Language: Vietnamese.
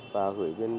và gửi đến chủ sĩ